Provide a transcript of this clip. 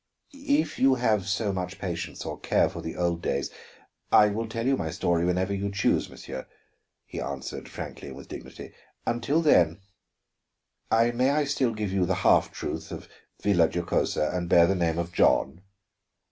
"If you have so much patience, or care for the old days, I will tell you my story whenever you choose, monsieur," he answered frankly and with dignity. "Until then, may I still give you the half truth of Villa Giocosa and bear the name of John?"